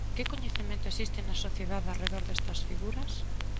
Que coñecemento existe na sociedade arredor destas figuras?